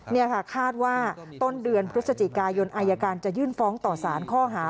นี่ค่ะคาดว่าต้นเดือนพฤศจิกายนอายการจะยื่นฟ้องต่อสารข้อหา